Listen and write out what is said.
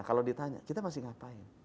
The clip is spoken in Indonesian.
kalau ditanya kita masih ngapain